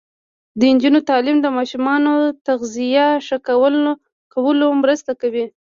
د نجونو تعلیم د ماشومانو تغذیه ښه کولو مرسته کوي.